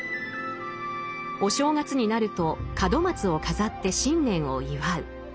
お正月になると門松を飾って新年を祝う。